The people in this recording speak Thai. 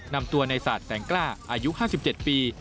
นำตัวในศาสตร์แสงกล้าอายุ๕๗ปี